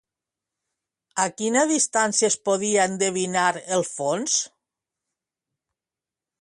A quina distància es podia endevinar el fons?